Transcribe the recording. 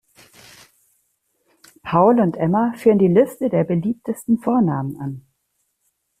Paul und Emma führen die Liste der beliebtesten Vornamen an.